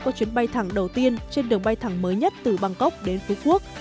có chuyến bay thẳng đầu tiên trên đường bay thẳng mới nhất từ bangkok đến phú quốc